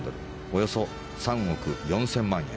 およそ３億４０００万円。